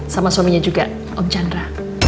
sama suaminya juga om chandra